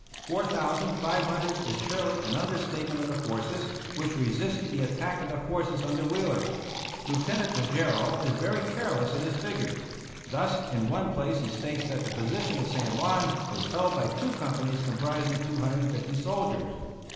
Four thousand five hundred is surely an understatement of the forces which resisted the attack of the forces under Wheeler. Lieutenant Tejeiro is very careless in his figures. Thus in one place he states that the position of San Juan was held by two companies comprising 250 soldiers.